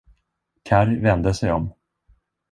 Karr vände sig om.